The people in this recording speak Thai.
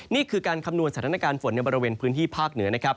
นี่คือการคำนวณสถานการณ์ฝนในบริเวณพื้นที่ภาคเหนือนะครับ